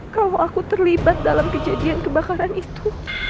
kalau aku terlibat dalam kejadian kebakaran itu